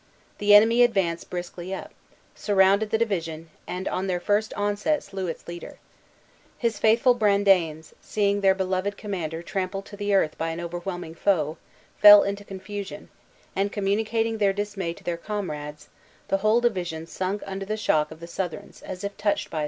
The enemy advanced briskly up, surrounded the division, and on their first onset slew its leader. His faithful Brandanes, seeing their beloved commander trampled to the earth by an overwhelming foe, fell into confusion, and communicating their dismay to their comrades, the whole division sunk under the shock of the Southrons, as if touched by a spell.